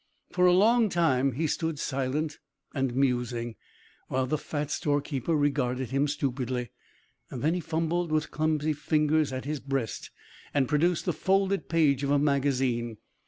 For a long time he stood silent and musing, while the fat storekeeper regarded him stupidly; then he fumbled with clumsy fingers at his breast, and produced the folded page of a magazine.